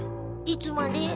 いつまで？